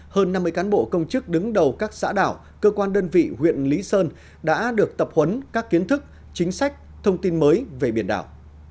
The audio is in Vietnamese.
hơn năm mươi cán bộ công chức đứng đầu các xã đảo cơ quan đơn vị huyện lý sơn đã được tập huấn các kiến thức chính sách thông tin mới về biển đảo